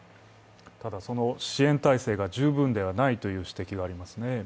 ただ、その支援体制が十分ではないという指摘がありますね。